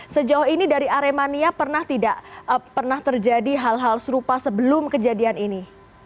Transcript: sejauh ini dari aremania pernah tidak pernah terjadi hal hal serupa sebelum kejadian ini